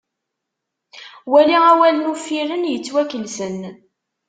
Wali awalen uffiren yettwakelsen.